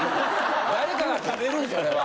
誰かが食べるそれは。